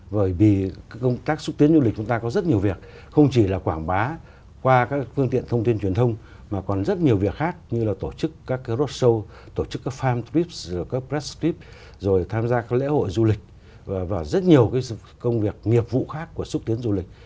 vì công tác xúc tiến du lịch của chúng ta có rất nhiều việc không chỉ là quảng bá qua các phương tiện thông tin truyền thông mà còn rất nhiều việc khác như là tổ chức các roadshow tổ chức các farm trips các press trips rồi tham gia các lễ hội du lịch và rất nhiều công việc nghiệp vụ khác của xúc tiến du lịch